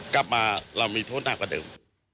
กลับมาเรามีโทษหนักกว่าเดิม